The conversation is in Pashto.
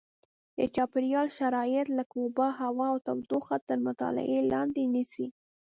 د چاپېریال شرایط لکه اوبه هوا او تودوخه تر مطالعې لاندې نیسي.